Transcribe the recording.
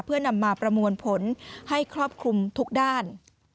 เพื่อนำมาประมวลผลให้ครอบคลุมทุกด้าน